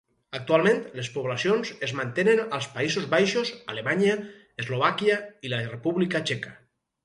Actualment les poblacions es mantenen als Països Baixos, Alemanya, Eslovàquia i la República Txeca.